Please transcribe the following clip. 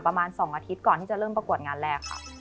ประมาณ๒อาทิตย์ก่อนที่จะเริ่มประกวดงานแรกค่ะ